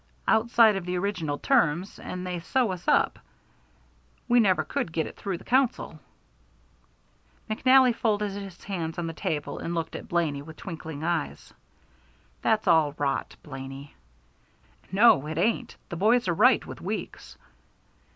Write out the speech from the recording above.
"Outside of the original terms and they sew us up we never could get it through the Council." McNally folded his hands on the table and looked at Blaney with twinkling eyes. "That's all rot, Blaney." "No, it ain't. The boys are right with Weeks."